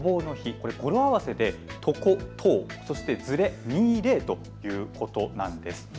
これ語呂合わせで床、１０、そしてずれ、２０ということなんです。